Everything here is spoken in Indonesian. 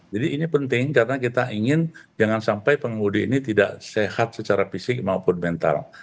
jadi ini penting karena kita ingin jangan sampai pengemudi ini tidak sehat secara fisik maupun mental